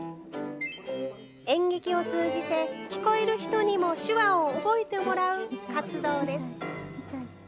演劇を通じて、聞こえる人にも手話を覚えてもらう活動です。